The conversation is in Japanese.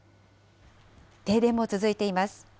停電も続いています。